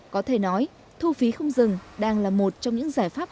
có thể nói thu phí không dừng đang là một trong những giải pháp